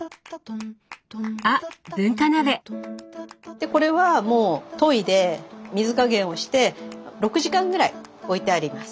でこれはもうといで水加減をして６時間ぐらい置いてあります。